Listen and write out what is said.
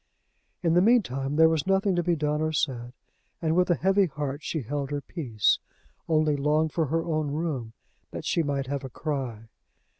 In the mean time there was nothing to be done or said; and with a heavy heart she held her peace only longed for her own room, that she might have a cry.